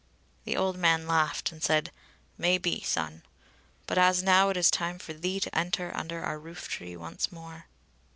The old man laughed and said: "Maybe, son; but as now it is time for thee to enter under our roof tree once more."